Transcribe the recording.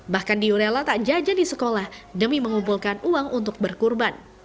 bahkan diurela tak jajan di sekolah demi mengumpulkan uang untuk berkurban